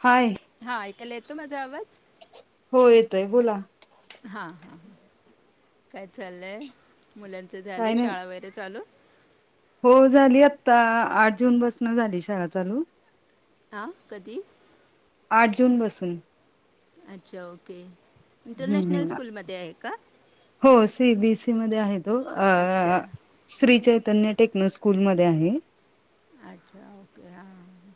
हाय. हा ऐकायला येतो माझा आवाज? हो येतोय बोला. हां हां ह काय चाललंय, मुलांच झाले काय नाही शाळा वगैरे चालू? हो झाली आत्ता, आठ जून पासून झाली शाळा चालू. हा कधी? आठ जून पासून. अच्छा ओके. हम्म इंटरनॅशनल हम्म. स्कूलमध्ये आहे का? हो, सी बी एस सी मध्ये आहे तो. अच्छा अ श्री चैतन्य टेक्नो स्कूलमध्ये आहे. अच्छा ओके हां.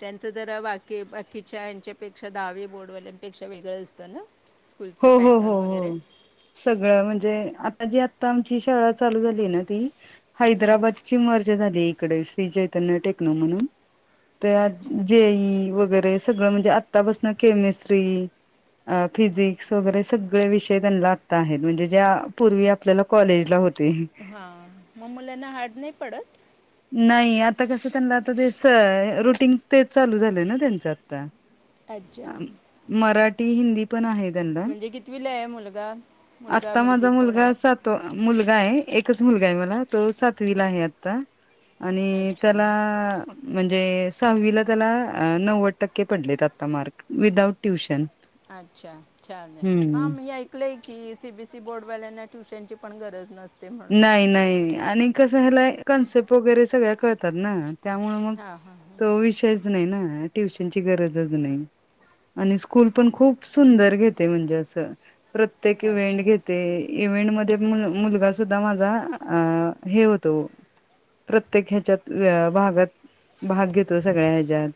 त्यांचं जरा बाकी बाकीच्या यांच्यापेक्षा, दहावी बोर्डवाल्यांपेक्षा वेगळं असतं ना. स्कूलचं हो हो हो पॅटर्न हो वगैरे. सगळं म्हणजे आता जी आता आमची शाळा चालू झाली ना ती हां हैद्रबाद ची मर्जा झाली इकडे श्री जैतन्य टेक्नो म्हणून. तर ह्यात अच्छा जे इ इ वैगैरे सगळ म्हणजे आता पासन केमेस्ट्री, फिजिक, वगैरे सगळे विषय त्यांना आत्ता आहेत म्हणजे, ज्या पूर्वी आपल्याला कॉलेजला होते. हा, मग मुलांना हार्ड नाही पडत? नाही, आता कस त्यांना आता तेस रुटीन ते चालू झालंय ना त्यांच आता. अच्छा. मराठी, हिंदी पण आहेत. म्हणजे कितवीला आहे मुलगा, मुलगा मुलगी कोण आहे? तो मुलगा आहे, एकच मुलगा आहे मला तो सातवीला आहे आता. आणि अच्छा त्याला म्हणजे सहावीला त्याला नव्वद टक्के पडलेत आता मार्क विधाआऊट ट्युशन. अच्छा छान आहे. हा हम्म. मी सी बी सी बोर्डवाल्यांना ट्यूशनची पण गरज नसते. म्हणून नाही, नाही आणि कसं ह्याला कॉन्सेप्ट वगैरे सगळ्या कळतात ना. त्यामुळे मग हां हां हां तो विषयच नाही ना, ट्यूशनची गरजच नाही. आणि स्कूल पण खूप सुंदर घेते म्हणजे, असं प्रत्येक अच्छा इव्हेंट घेते. इव्हेंट मध्ये मुलगा सुद्धा माझा, अ हे होतो. प्रत्येक ह्याच्यात भागात, भाग घेतो सगळ्या ह्याच्यात.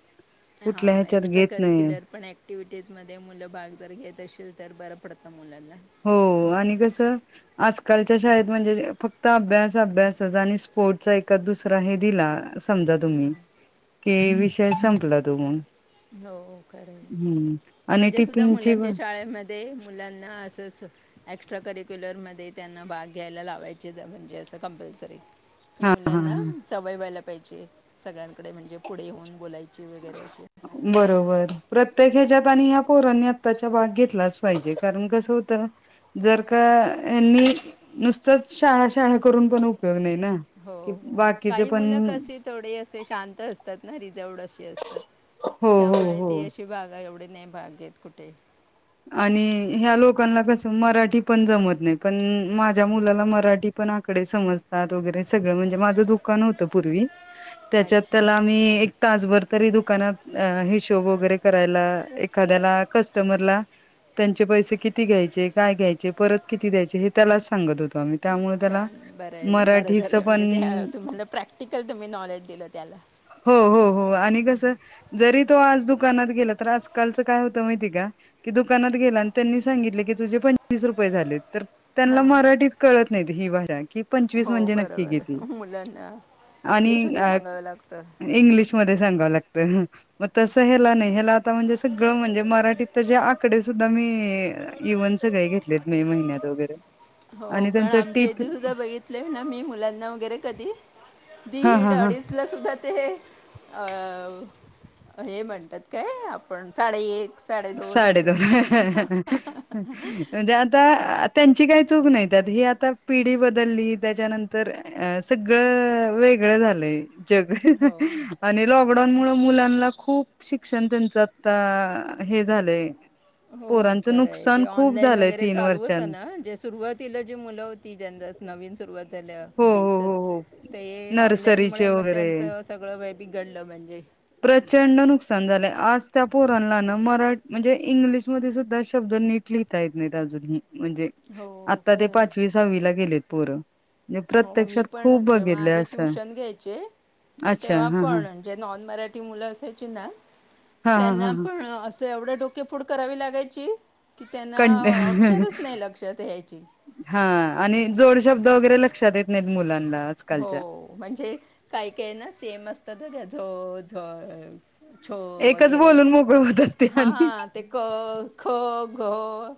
हा, कुठल्या ह्याच्यात एक्स्ट्रा घेत नाही करिक्युलर पण ॲक्टिव्हटीजमध्ये मुलं भाग जर घेत असेल तर बरं पडतं मुलांना. हो आणि कसं आजकालच्या शाळेत म्हणजे, फक्त अभ्यास, अभ्यासच आणि स्पोर्टचा एखा दुसरा हे दिला. समजा तुम्ही की विषय संपला तो मग हो खरय हम्म आणि माझ्या सुद्धा टिफिनची मुलांच्या पण शाळेम ध्ये मुलांना असंचं हो एक्स्ट्रा करिक्युलरमध्ये त्यांना भाग घ्यायला लावायचे म्हणजे असं कंपल्सरी की हा हा मुलांना हा सवय व्हायला पायजे सगळ्यांकडे म्हणजे पुढे येऊन बोलायची वगैरे अशी बरोबर प्रत्येक ह्याच्यात आणि ह्या पोरांनी आ त्याचा भाग घेतलाच पायजे कारण कसं होतं ना जर का यांनी नुसतच शाळा शाळा करून पण उपयोग नाय ना. हो कि बाकीचे काही मुल पण कसे थोडे असे शांत असतात ना रिझवड अशी असतात. हो हो त्यामुळे ती हो अशी भाग आहे एवढी नाही भाग घेत कुठे आणि ह्या लोकांना कस मराठी पण जमत नाय पण माझ्या मुलाला मराठी पण आकडे समजतात वगैरे सगळं म्हणजे माझं दुकान होतं पूर्वी. [inaudible] त्याच्यात त्याला आम्ही एक तासभर तरी दुकानात अ हिशोब वगैरे करायला एखाद्याला कस्टमरला त्यांचे पैसे किती घ्यायचे? काय घ्यायचे? परत किती द्यायचे? हे त्यालाच सांगत होत. छान बराय बरं झालंय पण म्हणजे त्या तुम्हाला प्रॅक्टिकल तुम्ही नॉलेज दिलं त्याला [inaudible] हो हो हो आणि कसं जरी तो आज दुकानात गेला तर आजकालचं काय होत माहिती ये का? की दुकानात गेला आणि त्यांनी सांगितले की तुझे पंचवीस रुपये झालेत तर त्यांनला हां मराठीत कळत नाय ही भाषा कि पंचवीस हो म्हणजे नक्की बरोबर किती आहे. मुलांना आणि इंग्लिशमध्ये अ सांगावं लागतं इंग्लिशमध्ये सांगावं लाग मग तस हेला नाय हेला आता म्हणजे सगळं म्हणजे मराठीत जे आकडे सुद्धा मी हे इव्हनच काय घेतलेत मे महिन्यात वगैरे हो आणि कारण त्यांचं आमच्या टीप इथे सुद्धा बघित ले ना मी मुलांना वगैरे कधी हा दीड हा हा अडीचला सुद्धा ते अ हे म्हणतात काय आपण साडे एक साडेदोन साडे असं दोन म्हणजे आत तर त्यांची काही चूक नाय ही आता पिढी बदलली त्याच्यानंतर अ सगळं वेगळं झालंय. जग हो आणि लॉकडाऊन मुळं मुलांनला खूप शिक्षण त्यांचं आता हे झालंय. हो पोरांचं खरं हाय जे नुकसान खूप ऑनलाईन झालंय वगैरे तीन चालू वर्षां होतं ना जे सुरुवात तिला जी मुलं होती ज्यांचा नवीन सुरुवात झाल्या हो हो हो बेसच हो ते ऑनलाईन मुळे नर्सरीचे मग वगैरे त्यांच सगळं वे बिघडलं म्हणजे प्रचंड नुकसान झालंय आज त्या पोरांनला ना मरा म्हणजे इंग्लिशमध्ये सुद्धा शब्द नीट लिहिता येत नाहीत अजून हि म्हणजे हो आता ते खरं आहे पाचवी सहावी ला गेलेत पोरं. म्हणजे हो हो मी प्रत्यक्षात खूप पण जेव्हा बघितलंय आधी असं. ट्युशन घ्यायचे अच्छा तेव्हा हां हां. पण जे नॉन मराठी मुलं असायची ना हां हां त्यांना हां हां. पण अस स तर एवढं डोके फूड करावी लागायची की त्यांना कंट अक्षरच नाय लक्षात यायची हा आणि जोड शब्द वगैरे लक्षात येत नाहीत मुलांना आजकालच्या. हो म्हणजे काय काय ना सेम असतं तर या जो ज छो एकच वगैरे बोलून मोकळं होतात ते हा आणि हा. ते क ख ग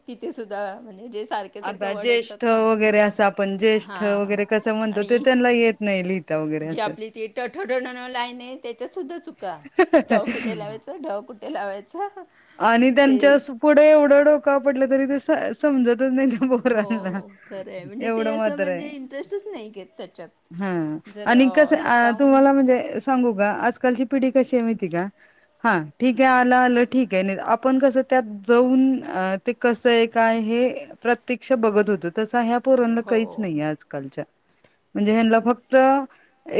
तिथे सुध्दा म्हणजे सार आता ज्येष्ठ वगैरे असं आपण ज्येष्ठ हां वगैरे कसं म्हणतो ते आणि त्यांनला येत नाय लिहिता व जी आपली ती टठ [unintelligible] लाईन आहे त्याच्यात सुद्धा चुक का ट कुठे लावायच ढ कुठे लावायच आणि ते त्यांच्या स पुढे एवढं डोकं आपटल तरी ते समजतच नाही त्या पोरांना हो खरं आहे म्हणजे एवढ ते असं मात्र आहे म्हणजे इंटरेस्टच नाही घेत हा त्याच्यात जर आणि कस अं, स्वतःहून तुम्हाला म्हणजे सांगु का आजकालची पिढी कशी आहे माहिती आहे का हा ठीक आहे आल आल ठीक आहे आपण कस त्यात जाऊन ते कस आहे काय हे प्रत्यक्ष बघत होत तस ह्या पोरांना हो काहीच नाही आज आजकालच्या म्हणजे ह्यांना फक्त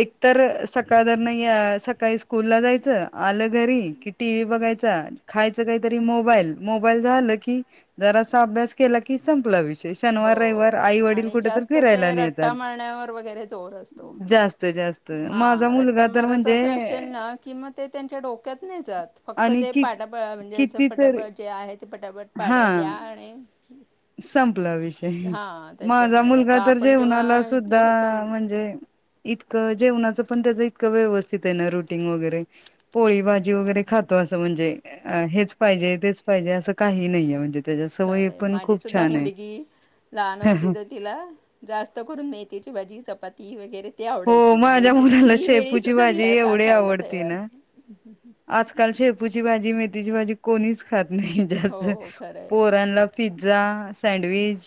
एकतर सकाळ धरन या काही स्कूल ला जायच आल घरी कि टीव्ही बघायचा खायच काहीतरी मोबाईल मोबाईल झाल की जरा सा अभ्यास केला की संपला विषय शनिवार, रविवार हो आई वडील आणि कुठ तर जास्त ते फिरायला रट्टा नेतात मारण्यावर वगैरे जोर असतो जास्त जास्त माझा मुलगा तर म्हणते किंवा ते त्यांच्या डोक्यात नाही जात फक्त आणि ते कि पाटाबळ म्हणजे अस कितीतरी पटापळ जे आहेत ती पटापट हा पाडल्या आणि संपला विषय हां, माझा त्याच्यामुळे. मुलगा आता तर आपण जेवणाला जेव्हा इथे सुद्धा होतो न म्हणजे इतक जेवणाच पण त्याच इतक व्यवस्थित आहे ना रुटींग वगैरे पोळी भाजी वगैरे खातो अस म्हणजे हेच पाहिजे तेच पाहिजे अस काही नाहीे म्हणजे त्याच्या सवयी पण खुप तेव्हा मुलगी लहान होती तर तिला जास्त करून मेथीची भाजी चपाती वगैरे ती हो आवडायची माझ्या म्हणजे मुलाला तिन्ही वेळी शेपूची सुद्धा भाजी ह्या एवढी खायला आवडती तयार ना आजकाल शेपुची भाजी मेथीची भाजी कोणीच खात नाही हो, जास्त हो, खरं आहे. पोराला पिझ्झा सँडविच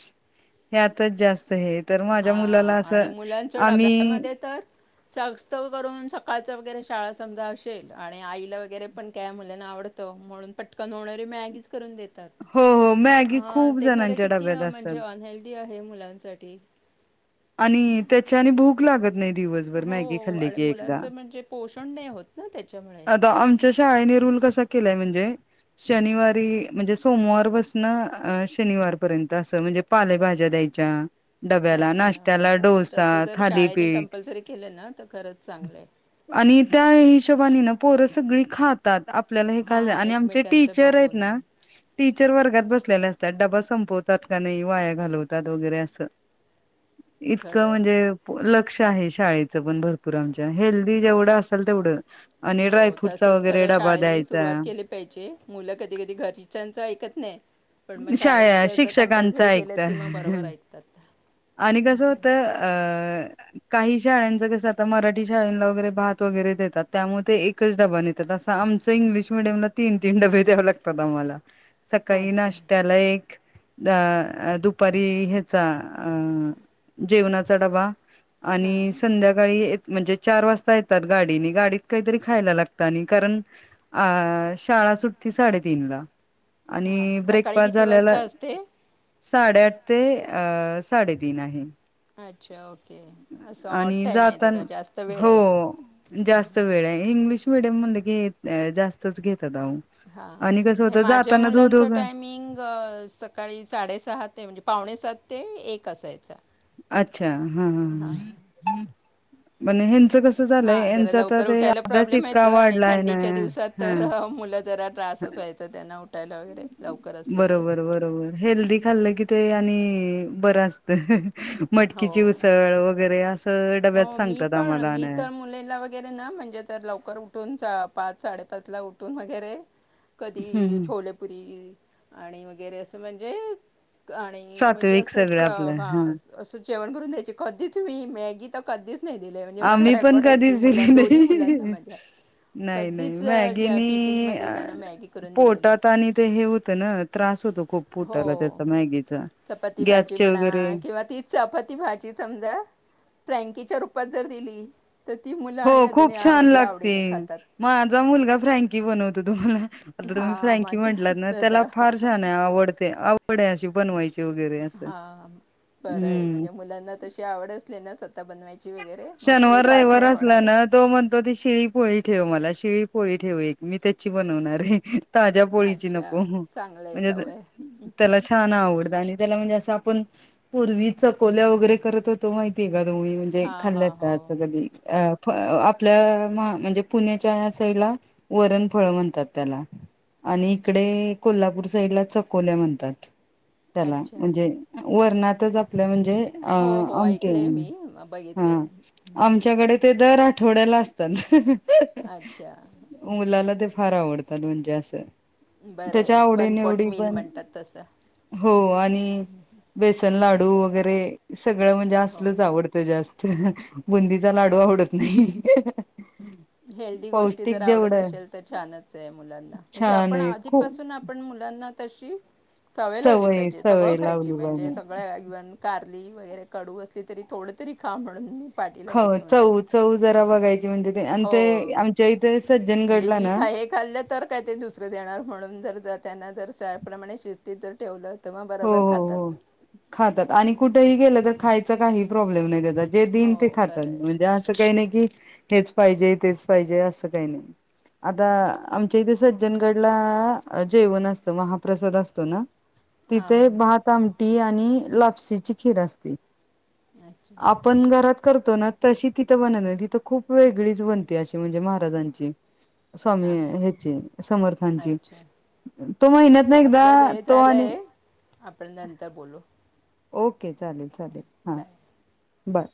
ह्यातच जास्त हे तर माझ्या मुलाला अस आम्ही ते तर करून सकाळच वगैरे शाळा समजा असेल आणि आईला वगैरे पण काय मुलांना आवडत म्हणून पटकन होणारी मॅगीच करून देत हो हो मॅगी अं खूप ते खरं जणांच्या किती डब्यात म्हणजे असतात. अनहेल्दी आहे मुलांसाठी आणि त्या त्याच्यानी भुक लागत नाही दिवसभर मॅग्गी हो खाल्ली आणि की एकदा मुलांचं म्हणजे पोषण नाही होत ना त्याच्यामुळे. आमच्या शाळेने रूल कसा केलाय म्हणजे शनिवारी म्हणजे सोमवार पासण शनिवारपर्यंत अस म्हणजे पालेभाज्या द्यायच्या डब्याला अच्छा नाश्ता हो तस जर शाळेने कंपल्सरी केल ना तर खरंच चांगल आहे आणि त्या हिशोबानी ना पोर सगळी खात आपल्याला हे खाय हां आणि आमचे एकमेकांचं टीचर आहेत बघून ना टीचर वर्गात बसलेले असतात डबा संपवतात का नाही वाया घालवतात वगैरे अस इतक खरं म्हणजे आहे. लक्ष आहे शाळेच पण भरपुर आमच्या हेल्दी जेवढ असाल तेवढ हो तसच खर शाळेनी सुरुवात केली पाहीजे मुल कधी कधी घरीच्याच ऐकत नाही पण मग शाळा शाळेमध्ये अस कंपल्सरी शिक्षकांचा केल ऐकता. की मग बरोबर ऐकतात आणि कस होत अं काही शाळांच कस आता मराठी शाळेला वगैरे भात वगैरे देतात त्यामुळे ते एकच डबा नेतात अस आमचं इंग्लिश मिडियमला तीनं तीनं डब्बे द्यावं लागतात आम्हांला सकाळीं अच्छा नाश्त्याला एक दुपारी ह्याचा अं जेवणाचा डब्बा आणि हां संध्या सकाळीं म्हणजे चार वाजता येतात गाडीनी गाडीत कांहीतरी खायला लागतं आणि कारणं अं शाळां सुटती साडे तीन ला हां हां सकाळीं गेलीं झालेलं साडे आठ ते साडेतीन आहे अच्छा ओके असं ऑड आणि टाईम आहे जातान जरा जास्त वेळ हो आहे जास्तं वेळ आहे इंग्लिश इंग्लिश मीडियम म्हटलं की जास्तच घेतात आओ हां नाहीं माझ्या मुलांच टायमिंग अं सकाळीं साडेसहा ते म्हणजे पावणे सात ते एक असायचा. अच्छा हां हां पणं ह्यांच कसं झालंय हां जरा यांचा आता लवकर ते उठायला अभ्यास प्रॉब्लेम इतका यायचं आणि वाढलाय ना थंडीच्या दिवसात हा तरं मुलं जरा त्रासच व्हायचा त्यांना उठायला वगैरे लवकर असले की बरोबर बरोबर हेल्दी खाल्लं की ते आणि बरास्त मटकीची हो उसळ वगैरे असं हो डब्यात मीं सांगतात पणं आम्हाला मीं ना हं, तरं मुलीला गेले ना म्हणजे जरं लवकर उठून पाच साडेपाच ला उठून वगैरे कधीं हं. छोलेपुरी आणि वगैरे असं म्हणजे आणि म्हणजे सात्विक असंच सगळं आपलं हा हां असं जेवणं करूंन द्यायचे कधीचं मीं मॅगी तर कधीच नाही दिले म्हणजे माझा आम्हीं पणं रेकॉर्ड आहे की कधीचं दिली मुला दोन्ही नाहीं मुलांना माझ्या नाहीं नाहीं कधीच अं, ज्या मॅगिनी टिफिनमध्ये त्यानं मॅगी करून दिली नाही पोटात आणि ते हे होतं ना त्रास होतों खूंप हो पोटाला त्याचा मॅगीचा चपाती भाजी गॅसचे म्हणा वगैरे किंवा तीचं चपाती भाजी समजा फ्रँकीच्या रूपांत जरं दिली तरं ती मुलं हो आणि अजूंन खूप यां छान म्हणजे लागते. आवडीनें खातात माझा मुलगा फ्रँकी बनवतो तुम्हांला आता तुम्हीं हां फ्रँकी माझे म्हटलांत ना त्याला स्वतः फार छान आहे आवडते आवड आहे अशी बनवायची. वगैरे असं. हां बरंय हम्म म्हणजे मुलांना तशी आवड असली ना स्वतः बनवायची वगैरे मग पुढे शनिवार त्रास रविवार नाही असला होणार ना तो म्हणतो ती शिळी पोळी ठेव मला शिळी पोळी ठेव एक मीं त्याचीं बनवणार आहे. ताज्या पोळीची अच्छा नको चांगलं आहे म्हणजे सवय त्याला छान आवडतं आणि त्याला म्हणजे आपणं पूर्वी चकोल्या वगैरे करतं होतों माहितीये कां दोघी म्हणजे हां हां हो अं आपल्या म्हणजे पुण्याच्या यां साईडला वरण फळं म्हणतात त्याला आणि इकडे कोल्हापूर साईडला चकोल्या म्हणतात. त्याला अच्छा म्हणजे वरणातच आपलं म्हणजे अं आमटी हं बघितलं हं आमच्याकडे ते दरं आठवड्याला असतं अच्छा मुलाला ते फार आवडतात म्हणजे असं बरं त्याच्या आहे वन पॉट आवडीनिवडी मिल पणं म्हणतात तसं हो आणि बेसन लाडू वगैरे सगळं म्हणजे हो असलच आवडतं जास्तं बुंदीचा लाडू आवडतं नाहीं हेल्दी गोष्टी जर आवडतं असेल तर छानच आहे मुलांना म्हणजे छान आपणं आहे खूप आधीपासून पणं मुलांना तशी सवयं लावली सवय पाहिजे सगळं सवय खायची लावली म्हणजे पाहिजे. सगळ्यां इव्हंन कारली वगैरें कडूं असली तरी थोडं तरी खां म्हणूंन हो चवं चवं जरां बघायची म्हणजे ते आणि ते हो आमच्या इथे सज्जंन म्हणजे गडलां ही नां खा हे खाल्लं तरं कांहीं ते दुसरं देणारं म्हणूंन जरं जरं त्यांना जरं शाळेप्रमाणे शिस्तीत जरं ठेवलं. तर मग हो बरोबर हो खातात हो खात्यांत आणि कुठेही गेलं तरं खांयचा कांहीं प्रॉब्लेम नाहीं त्यांच्या जे देईन ते हो खांतात खरं आहे म्हणजे असं कांहीं नाहीं की हेचं पाहिजे तेचं पाहिजे असं कांहीं नाहीं. आंता आमच्या इथे सज्जनगडंला जेवणं असतं महाप्रसाद असतो नां हां तिथे हां भांत आमटी आणि लापसीची खीर असते. अच्छा... आपणं घरांत करतो नां तशी तिथं बनतं नाहीं तिथं खूंप वेगळीचं बनते अशी म्हणजे महाराजांची. [unintelligible] स्वामी हां ह्यांची समर्थांची अच्छा तो महिण्यांतन एकदाचं तो आणि- आपणं नंतर बोलूं. ओके चालेल चालेल हां बाय बांय.